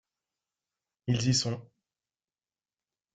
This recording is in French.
Ils y sont.